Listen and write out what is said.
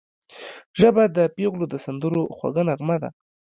ژبه د پېغلو د سندرو خوږه نغمه ده